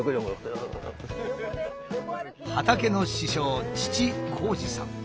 畑の師匠父・紘二さん。